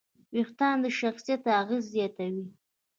وېښتيان د شخصیت اغېز زیاتوي.